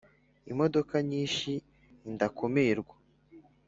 Imodoka nyinshi ni ndakumirwa